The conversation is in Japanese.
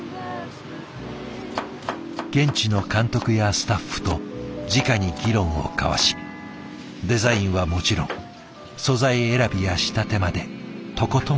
現地の監督やスタッフとじかに議論を交わしデザインはもちろん素材選びや仕立てまでとことん関わった。